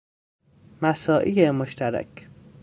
مساعی مشترک